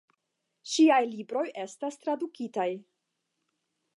Ŝiaj libroj estas tradukitaj.